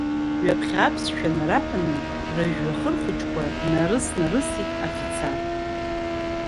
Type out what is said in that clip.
Ҩаԥхьа аԥсшәа нараҳәаны рыжәҩахыр хәыҷқәа днарыснарысит афицар.